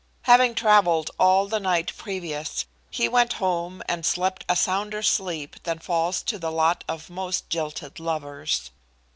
Having traveled all the night previous, he went home and slept a sounder sleep than falls to the lot of most jilted lovers.